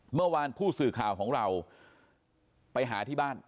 เมื่อวานผู้สื่อข่าวของเราไปหาที่บ้าน